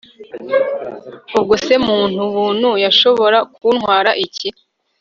ubwo se muntu buntu yashobora kuntwara iki